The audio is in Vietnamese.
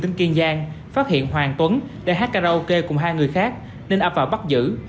tính kiên giang phát hiện hoàng tuấn để hát karaoke cùng hai người khác nên ấp vào bắt giữ